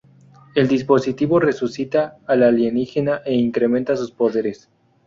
El dispositivo resucita al alienígena e incrementa sus poderes.